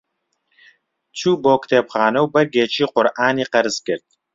چوو بۆ کتێبخانە و بەرگێکی قورئانی قەرز کرد.